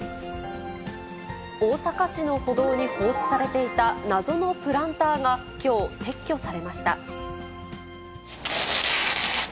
大阪市の歩道に放置されていた謎のプランターがきょう、撤去されました。